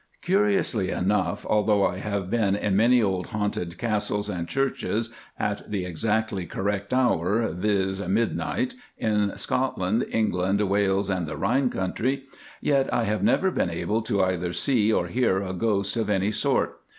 Curiously enough, although I have been in many old haunted castles and churches (at the exactly correct hour, viz., midnight) in Scotland, England, Wales, and the Rhine country, yet I have never been able to either see or hear a ghost of any sort.